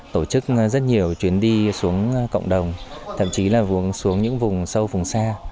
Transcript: tổ chức rất nhiều chuyến đi xuống cộng đồng thậm chí là vướng xuống những vùng sâu vùng xa